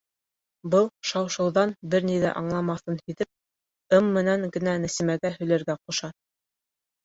Был шау-шыуҙан бер ни ҙә аңламаҫын һиҙеп, ым менән генә Нәсимәгә һөйләргә ҡуша.